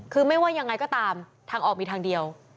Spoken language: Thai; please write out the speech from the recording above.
คือไม่ว่ายังไงก็ตามทางออกมีทางเดียว